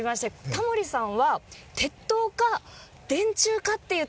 タモリさん